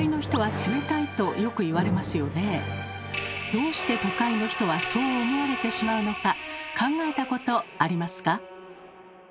どうして都会の人はそう思われてしまうのか考えたことありますか？